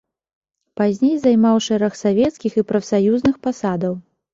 Пазней займаў шэраг савецкіх і прафсаюзных пасадаў.